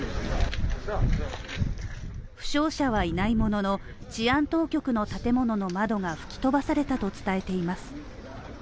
負傷者はいないものの、治安当局の建物の窓が吹き飛ばされたと伝えています。